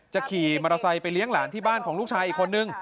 ขี่มอเตอร์ไซค์ไปเลี้ยงหลานที่บ้านของลูกชายอีกคนนึง